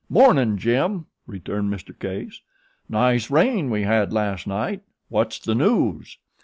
"Mornin', Jim!" returned Mr. Case. "Nice rain we had last night. What's the news?"